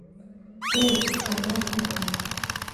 ¡Ben, alá cada un!